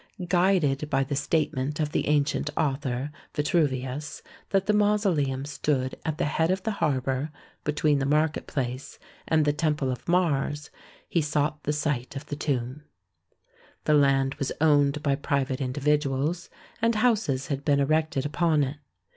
Guided by the statement of the ancient author, Vitruvius, that the mausoleum stood at the head of the harbour between the market place and the temple of Mars, he sought the site of the tomb. The land was owned by private individuals, and houses had been erected upon it.